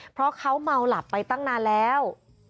เพราะเขาเมาหลับไปตั้งนานแล้ว